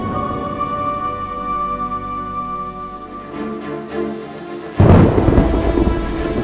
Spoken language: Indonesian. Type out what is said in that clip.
bapak pernah lihat anak ini